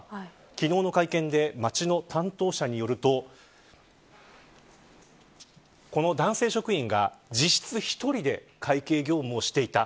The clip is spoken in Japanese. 昨日の会見で町の担当者によると男性職員が実質１人で会計業務をしていた。